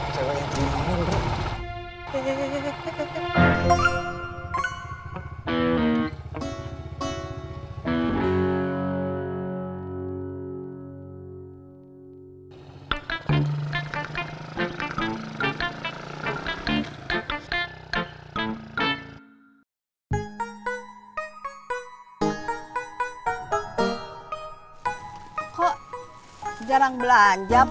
cewek yang terima